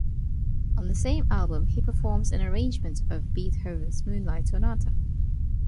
On the same album, he performs an arrangement of Beethoven's Moonlight Sonata.